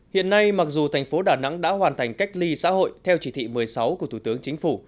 hiện nay mặc dù thành phố đà nẵng đã hoàn thành cách ly xã hội theo chỉ thị một mươi sáu của thủ tướng chính phủ